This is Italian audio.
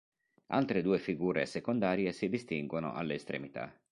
Altre due figure secondarie si distinguono alle estremità.